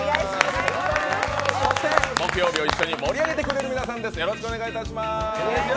そして、木曜日を一緒に盛り上げてくれる皆さんです。